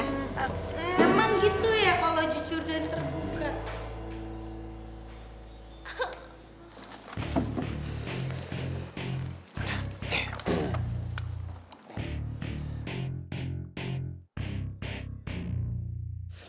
emang gitu ya kalau kejujuran dan keterbukaan